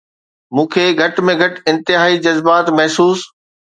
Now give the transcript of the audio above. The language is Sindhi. مون کي گهٽ ۾ گهٽ انتهائي جذبات محسوس